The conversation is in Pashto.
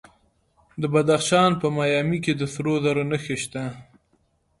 د بدخشان په مایمي کې د سرو زرو نښې شته.